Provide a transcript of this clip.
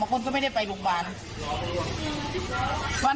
คนก็ไม่ได้ไปโรงพยาบาล